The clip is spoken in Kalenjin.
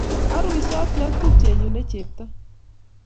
Aruisoti ak tupchenyu ne chepto